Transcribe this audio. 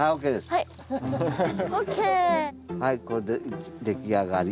はいこれで出来上がり。